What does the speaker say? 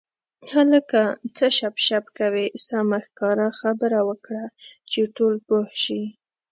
هلکه څه شپ شپ کوې سمه ښکاره خبره وکړه چې ټول پوه شي.